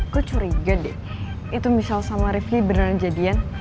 gue curiga deh itu misal sama rifki beneran jadian